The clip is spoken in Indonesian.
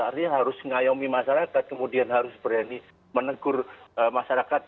artinya harus ngayomi masyarakat kemudian harus berani menegur masyarakat